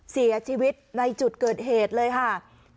เสียชีวิตในจุดเกิดเหตุเลยค่ะ